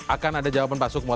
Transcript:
akan ada jawaban pak sukmo